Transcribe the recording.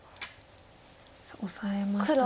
さあオサえましたが。